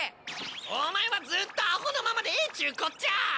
お前はずっとアホのままでええっちゅうこっちゃ！